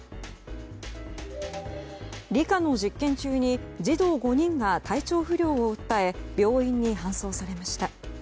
理科の実験中に児童５人が体調不良を訴え病院に搬送されました。